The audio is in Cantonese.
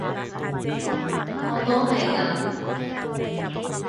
我都係噉